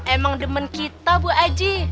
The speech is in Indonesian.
emang demen kita bu aji